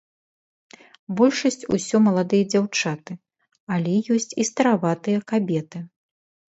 Большасць усё маладыя дзяўчаты, але ёсць і стараватыя кабеты.